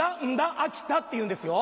秋田。」っていうんですよ。